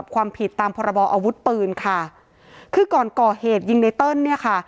กรรมพรบอวุฒิปืนค่ะคือก่อนก่อเหตุยิงในเติ้ลเนี้ยค่ะ